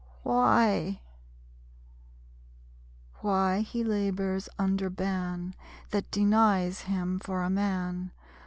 Why he labors under ban That denies him for a man.